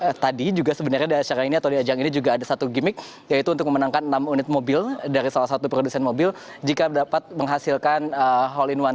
dan tadi juga sebenarnya di acara ini atau di ajang ini juga ada satu gimmick yaitu untuk memenangkan enam unit mobil dari salah satu produsen mobil jika dapat menghasilkan hole in one